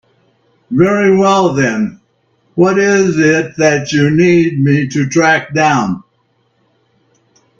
Very well then, what is it that you need me to track down?